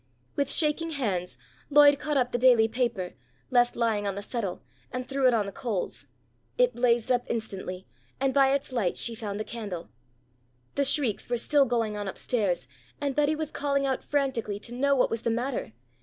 With shaking hands Lloyd caught up the daily paper, left lying on the settle, and threw it on the coals. It blazed up instantly, and by its light she found the candle. The shrieks were still going on up stairs and Betty was calling out frantically to know what was the matter.